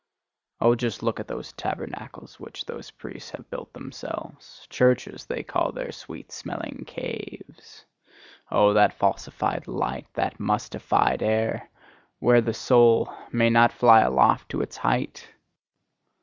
Oh, just look at those tabernacles which those priests have built themselves! Churches, they call their sweet smelling caves! Oh, that falsified light, that mustified air! Where the soul may not fly aloft to its height!